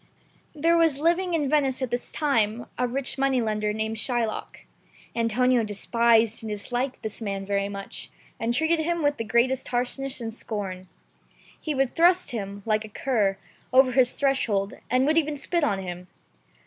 There was living in Venice at this time a rich Jew and money lender, named Shylock. Antonio despised and disliked this man very much, and treated him with the greatest harshness and scorn. He would thrust him, like a cur, over his threshold, and would even spit on him.